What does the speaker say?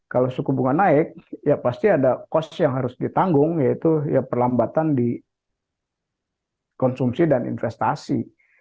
kalau suku bunga naik ya pasti ada cost yang harus ditanggung yaitu perlambatan di konsumsi dan investasi